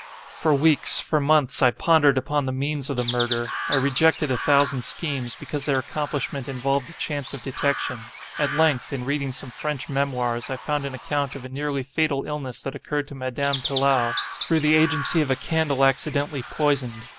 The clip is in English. For weeks, for months, I pondered upon the means of the murder. I rejected a thousand schemes, because their accomplishment involved a chance of detection. At length, in reading some French memoirs, I found an account of a nearly fatal illness that occurred to Madame Pilau, through the agency of a candle accidentally poisoned.